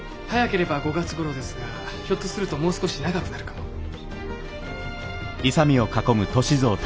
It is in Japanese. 早ければ５月ごろですがひょっとするともう少し長くなるかも。